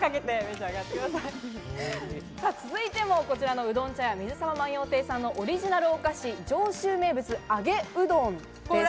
続いても、うどん茶屋水沢万葉亭さんのオリジナルお菓子、上州名物あげうどんです。